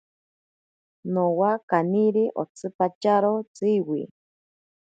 Nowa kaniri otsipatyaro tsiwi.